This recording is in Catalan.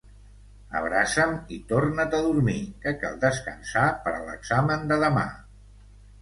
Abraça'm i torna't a dormir, que cal descansar per a l'examen de demà.